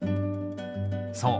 そう。